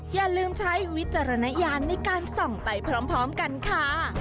อย่าลืมใช้วิจารณญาณในการส่องไปพร้อมกันค่ะ